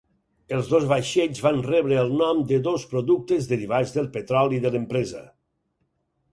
Els dos vaixells van rebre el nom de dos productes derivats del petroli de l'empresa.